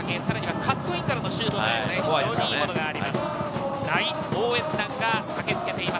カットインからのシュートも非常にいいものがあります。